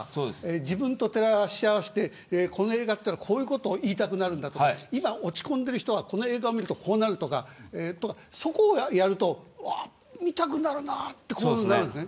自分と照らし合わせてこの映画はこういうことを言いたくなるんだとか今、落ち込んでる人はこの映画を見るとこうなるとかそこをやると見たくなるなというふうになるんですね。